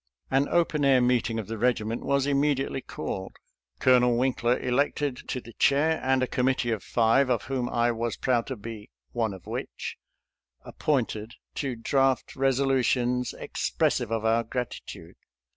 An open air meeting of the regiment was immedi ately called, Colonel Winkler elected to the chair, and a committee of five, of whom I was proud to be " one of which," appointed to draft resolutions expressive of our gratitude.